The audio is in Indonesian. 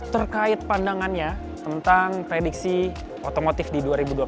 terkait pandangannya tentang prediksi otomotif di dua ribu dua puluh